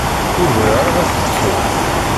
Ur bɣiɣ ara ad t-ttuɣ.